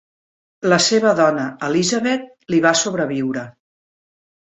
La seva dona Elizabeth li va sobreviure.